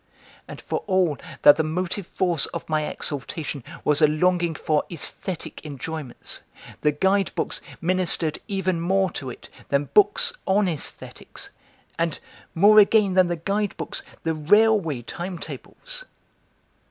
And for all that the motive force of my exaltation was a longing for aesthetic enjoyments, the guide books ministered even more to it than books on aesthetics, and, more again than the guide books, the railway time tables.